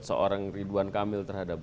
seorang ridwan kamil terhadap